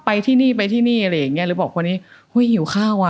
ไปที่นี่ไปที่นี่อะไรอย่างเงี้เลยบอกคนนี้อุ้ยหิวข้าวอ่ะ